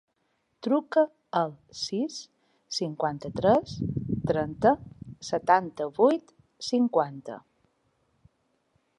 Truca al sis, cinquanta-tres, trenta, setanta-vuit, cinquanta.